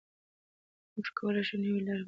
موږ کولای شو نوي لارې وپلټو.